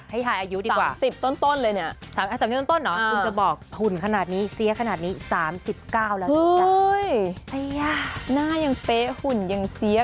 ให้ทายอายุดีกว่า๓๐ต้นเลยเนี่ย